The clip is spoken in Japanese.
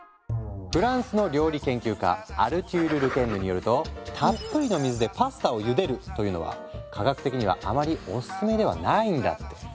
フランスの料理研究家アルテュール・ル・ケンヌによるとたっぷりの水でパスタをゆでるというのは科学的にはあまりおすすめではないんだって。